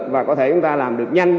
và có thể chúng ta làm được nhanh